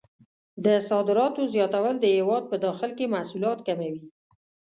د صادراتو زیاتول د هېواد په داخل کې محصولات کموي.